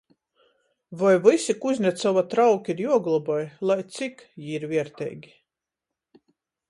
Voi vysi Kuznecova trauki ir juogloboj, lai cik jī ir vierteigi?